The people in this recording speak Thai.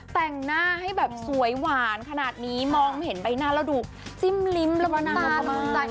แต่งหน้าให้แบบสวยหวานขนาดนี้มองเห็นใบหน้าแล้วดูจิ้มลิ้มลำตาล